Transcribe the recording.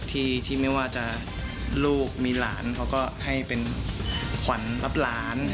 ที่ไม่ว่าจะลูกมีหลานเขาก็ให้เป็นขวัญรับหลาน